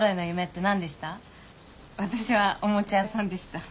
私はおもちゃ屋さんでした。